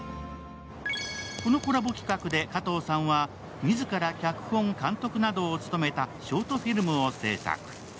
このコラボ企画で加藤さんは自ら脚本、監督などを務めたショートフィルムを制作。